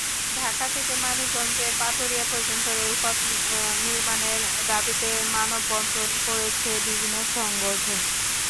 ঢাকা থেকে মানিকগঞ্জের পাটুরিয়া পর্যন্ত রেলপথ নির্মাণের দাবিতে মানববন্ধন করেছে বিভিন্ন সংগঠন।